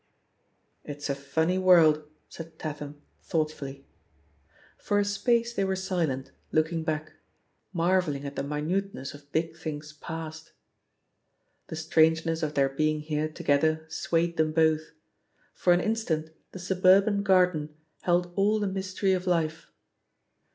"It's a funny world," said Tatham thought fully. For a space they were silent, looking back — marvelling at the minuteness of big things past. ••• The strangeness of their being here together swayed them both; for an instant the suburban garden held all the mystery of life.